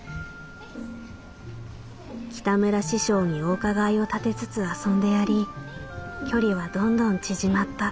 「北村師匠にお伺いを立てつつ遊んでやり距離はどんどん縮まった」。